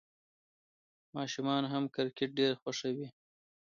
ماشومان هم کرکټ ډېر خوښوي.